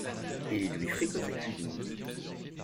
Et lui fricote sa cuisine !